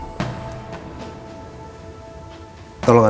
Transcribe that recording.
sesuai dengan izin dari kalian juga